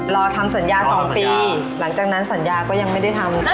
รอทำสัญญา๒ปีหลังจากนั้นสัญญาก็ยังไม่ได้ทำ